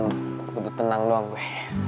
gue butuh tenang doang gue